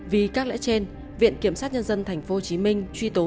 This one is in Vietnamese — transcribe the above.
vì các lễ trên viện kiểm sát nhân dân tp hcm truy tố